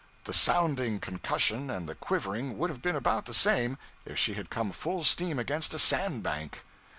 The sounding concussion and the quivering would have been about the same if she had come full speed against a sand bank.